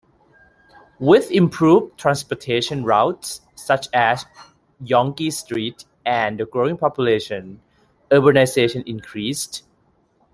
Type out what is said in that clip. With improved transportation routes, such as Yonge Street and the growing population, urbanization increased.